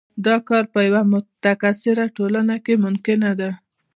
دا کار په یوه متکثره ټولنه کې ممکنه ده.